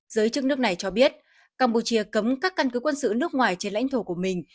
giới chức nước này cho biết campuchia cấm các căn cứ quân sự nước ngoài trên lãnh thổ của mình